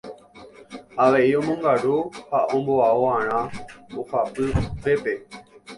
Avei omongaru ha omboao'arã mbohapyvépe.